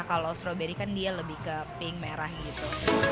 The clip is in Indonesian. kalau stroberi kan dia lebih ke pink merah gitu